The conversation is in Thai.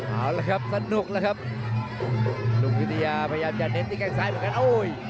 เอาละครับสนุกแล้วครับหนุ่มวิทยาพยายามจะเน้นที่แข้งซ้ายเหมือนกันโอ้ย